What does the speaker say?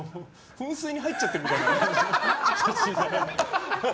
噴水に入っちゃってるみたいな写真。